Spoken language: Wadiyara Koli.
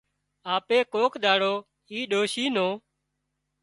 آپي ڪوڪ ۮاڙو اي ڏوشي نُون